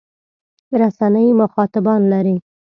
رسنۍ مخاطبان لري.